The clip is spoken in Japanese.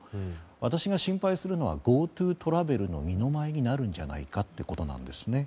私が心配するのはＧｏＴｏトラベルの二の舞になるんじゃないかということなんですね。